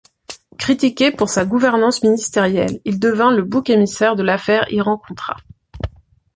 Critiqué pour sa gouvernance ministérielle, il devint le bouc émissaire de l'affaire Iran-Contra.